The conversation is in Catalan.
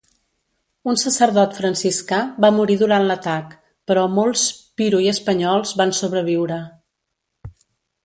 Un sacerdot franciscà va morir durant l'atac, però molts piro i espanyols van sobreviure.